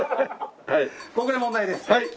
ここで問題です。